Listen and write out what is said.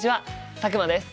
佐久間です。